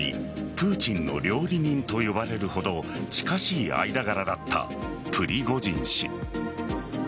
プーチンの料理人と呼ばれるほど近しい間柄だったプリゴジン氏。